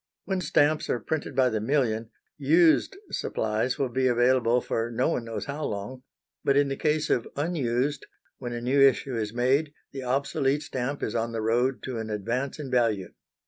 When stamps are printed by the million, used supplies will be available for no one knows how long; but in the case of unused, when a new issue is made, the obsolete stamp is on the road to an advance in value.